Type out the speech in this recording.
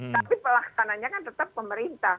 tapi pelaksananya kan tetap pemerintah